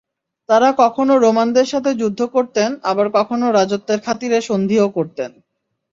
তারা কখনো রোমানদের সাথে যুদ্ধ করতেন আবার কখনো রাজত্বের খাতিরে সন্ধি ও করতেন।